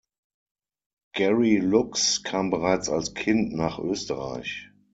Gary Lux kam bereits als Kind nach Österreich.